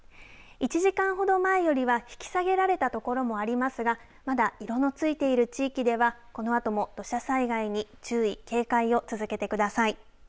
１時間ほど前よりは引き下げられた所もありますがまだ色の付いている地域ではこのあとも土砂災害に注意警戒を続けてください。